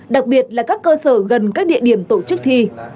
đặc biệt là các cơ sở gần các địa điểm tổ chức thi